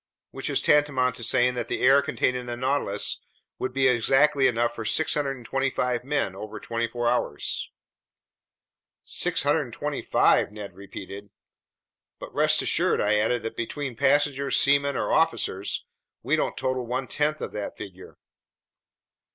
Which is tantamount to saying that the air contained in the Nautilus would be exactly enough for 625 men over twenty four hours." "625!" Ned repeated. "But rest assured," I added, "that between passengers, seamen, or officers, we don't total one tenth of that figure."